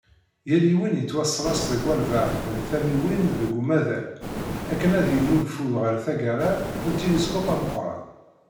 Yal yiwen yettwasres deg walbeɛḍ n tamiwin deg umaḍal, akken ad d-yennulfu ɣer taggara " utiliskup ameqqran."